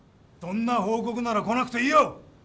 そんな報告なら来なくていいよ！